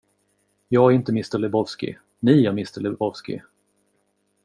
Jag är inte mr Lebowski ni är mr Lebowski.